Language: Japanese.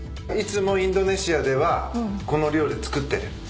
いつもインドネシアではこの料理作ってる？